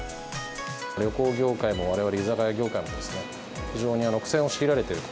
旅行業界も、われわれ居酒屋業界もですね、非常に苦戦を強いられていると。